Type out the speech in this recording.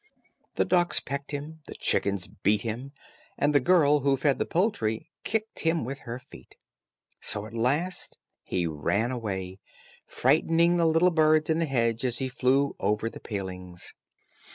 The ducks pecked him, the chickens beat him, and the girl who fed the poultry kicked him with her feet. So at last he ran away, frightening the little birds in the hedge as he flew over the palings.